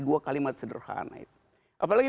dua kalimat sederhana itu apalagi